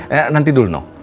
eh nanti dulu no